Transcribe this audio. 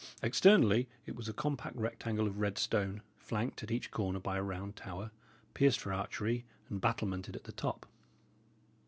Externally, it was a compact rectangle of red stone, flanked at each corner by a round tower, pierced for archery and battlemented at the top.